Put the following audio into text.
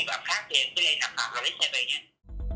còn những cái vi phạm khác thì em cứ để làm hạm rồi lấy xe về nhé